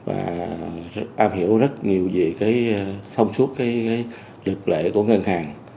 và em hiểu rất nhiều về cái thông suất cái lực lệ của ngân hàng